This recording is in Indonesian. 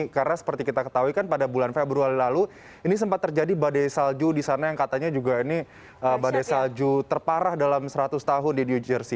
karena seperti kita ketahui kan pada bulan februari lalu ini sempat terjadi badai salju di sana yang katanya juga ini badai salju terparah dalam seratus tahun di new jersey